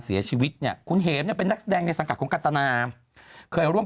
เสียชีวิตเนี่ยคุณเห็มเนี่ยเป็นนักแสดงในสังกัดของกัตนาเคยร่วม